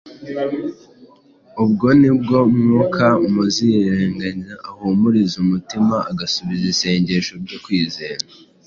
ubwo ni bwo Mwuka Muziranenge ahumuriza umutima agasubiza isengesho ryo kwizera.